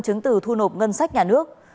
chứng từ thu nộp ngân sách nhà nước